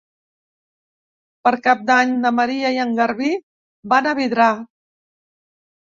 Per Cap d'Any na Maria i en Garbí van a Vidrà.